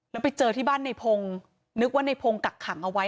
แล้วไปเจอที่บ้านในพงศ์นึกว่าในพงศ์กักขังเอาไว้